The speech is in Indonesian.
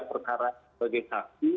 perkara sebagai saksi